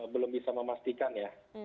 belum bisa memastikan ya